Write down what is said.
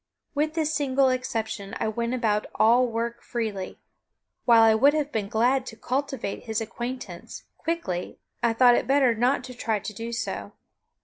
With this single exception I went about all work freely. While I would have been glad to cultivate his acquaintance, quickly, I thought it better not to try to do so.